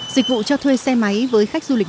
dịch vụ cho thuê xe máy với khách du lịch